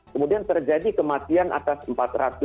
kemudian terjadi kematian atau kematian